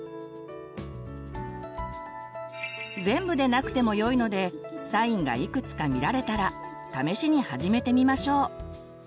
全部でなくてもよいのでサインがいくつか見られたら試しに始めてみましょう。